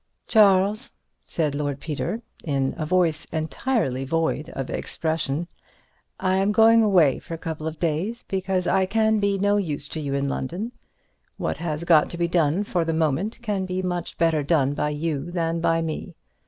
"Charles," said Lord Peter, in a voice entirely void of expression, "I am going away for a couple of days because I can be no use to you in London. What has got to be done for the moment can be much better done by you than by me.